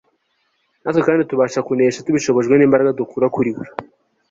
Natwe kandi tubasha kunesha tubishobojwe nimbaraga dukura kuri We